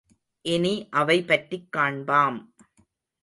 இனி அவை பற்றிக் காண்பாம்.